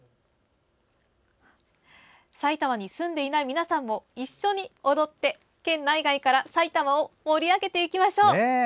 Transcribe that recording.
埼玉に住んでいない皆さんも一緒に踊って、県内外から埼玉を盛り上げていきましょう！